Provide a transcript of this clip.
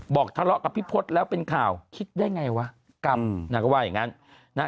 บอกทะเลาะกับพี่พศแล้วเป็นข่าวคิดได้ไงวะกลับนางก็ว่าอย่างงั้นนะฮะ